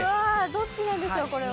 どっちなんでしょう、これは。